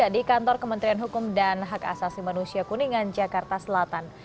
di kantor kementerian hukum dan hak asasi manusia kuningan jakarta selatan